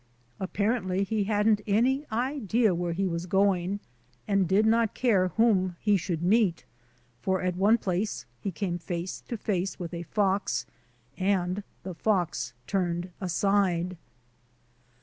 Apparently he hadn't any idea where he was going and did not care whom he should meet; for at one place he came face to face with a fox and the fox turned aside.